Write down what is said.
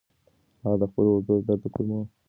هغه د خپلو اوږو د درد د کمولو لپاره لږ حرکت وکړ.